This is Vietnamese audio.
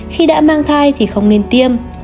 khi đã mang thai thì không nên tiêm